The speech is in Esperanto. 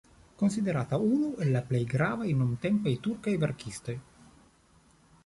Konsiderata unu el la plej gravaj nuntempaj turkaj verkistoj.